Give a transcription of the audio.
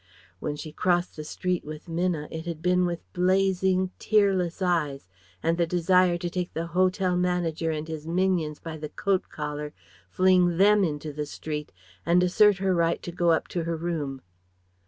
when she crossed the street with Minna, it had been with blazing, tearless eyes and the desire to take the hotel manager and his minions by the coat collar, fling them into the street, and assert her right to go up to her room.